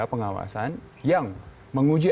pengawasan yang menguji